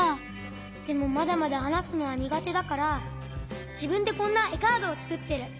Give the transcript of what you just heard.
でもまだまだはなすのはにがてだからじぶんでこんなえカードをつくってる。